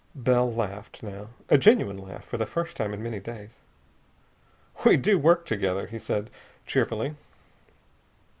Bell laughed, now. A genuine laugh, for the first time in many days. "We do work together!" he said cheerfully.